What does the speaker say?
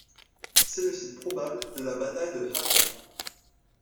C'est le site probable de la bataille de Hattin.